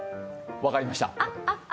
分かりました。